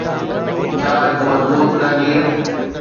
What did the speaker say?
ڇا هڪ مضبوط تعمير.